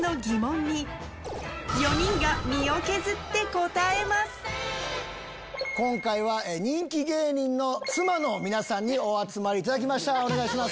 見えてない？など４人が今回は人気芸人の妻の皆さんにお集まりいただきましたお願いします。